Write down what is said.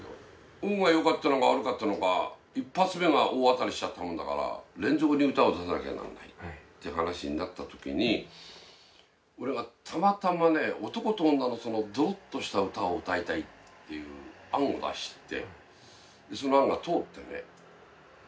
運が良かったのか悪かったのか一発目が大当たりしちゃったもんだから連続に歌を出さなきゃならないって話になった時に俺がたまたまね男と女のドロッとした歌を歌いたいっていう案を出して。